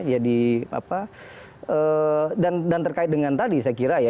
jadi apa dan terkait dengan tadi saya kira ya